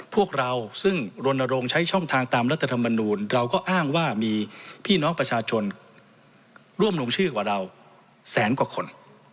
พวกเราซึ่งรณรงค์ใช้ช่องทางตามรัฐธรรมนูลเราก็อ้างว่ามีพี่น้องประชาชนร่วมลงชื่อกว่าเราแสนกว่าคน